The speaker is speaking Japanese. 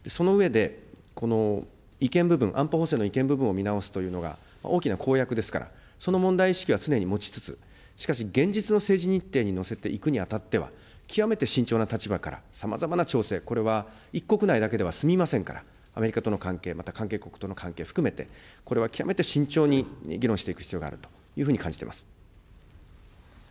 その上で、この違憲部分、安保法制の違憲部分を見直すというのが大きな公約ですから、その問題意識は常に持ちつつ、しかし、現実の政治日程に乗せていくにあたっては、極めて慎重な立場から、さまざまな調整、これは一国内だけでは済みませんから、アメリカとの関係、また関係国との関係、含めてこれは極めて慎重に議論していく必要があるというふうに感じています。